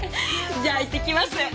じゃあいってきます。